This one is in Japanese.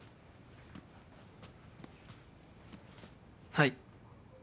はい。